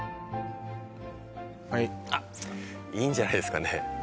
はいあっいいんじゃないですかね